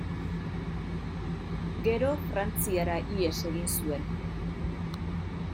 Gero Frantziara ihes egin zuen.